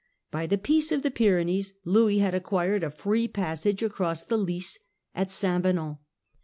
By the Peace of the Pyrenees Louis had acquired a free passage across the Lys at St. Venant.